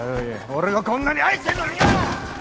俺はこんなに愛してんのによ！